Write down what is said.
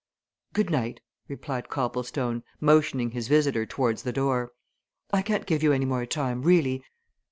"Good night!" replied Copplestone, motioning his visitor towards the door. "I can't give you any more time, really.